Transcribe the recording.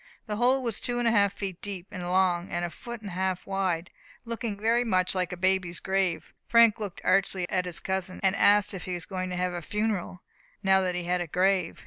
The hole was two and a half feet deep and long, and a foot and a half wide, looking very much like a baby's grave. Frank looked archly at his cousin, and asked if he was going to have a funeral, now that he had a grave.